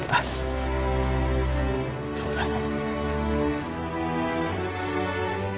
そうだな。